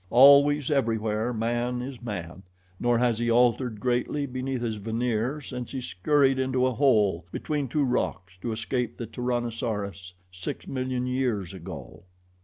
Always, everywhere, man is man, nor has he altered greatly beneath his veneer since he scurried into a hole between two rocks to escape the tyrannosaurus six million years ago.